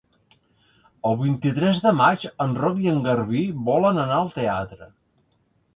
El vint-i-tres de maig en Roc i en Garbí volen anar al teatre.